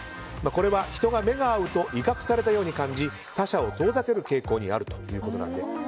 これは人が目が合うと威嚇されたように感じ他者を遠ざける傾向にあるということだそうです。